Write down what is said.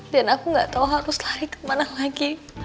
dan aku gak tau harus lari kemana lagi